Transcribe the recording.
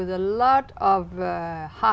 chúng tôi học